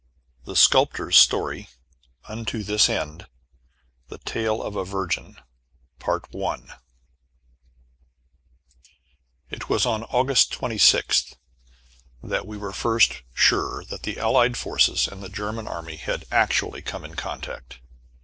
V THE SCULPTOR'S STORY UNTO THIS END THE TALE OF A VIRGIN It was on August 26th that we were first sure that the Allied forces and the German army had actually come in contact.